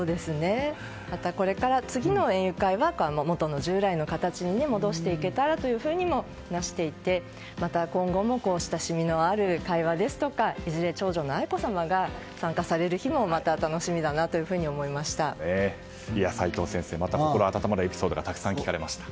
また、これから次の園遊会は従来の形に戻していけたらというふうにも話していてまた今後もこうした会話ですとかいずれ長女の愛子さまが参加される日も齋藤先生また心温まるエピソードがたくさん聞かれました。